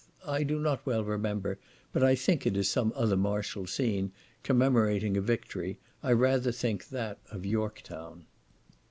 I do not well remember, but I think it is some other martial scene, commemorating a victory; I rather think that of York Town.